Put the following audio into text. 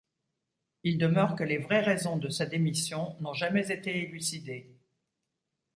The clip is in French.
Il demeure que les vraies raisons de sa démission n'ont jamais été élucidées.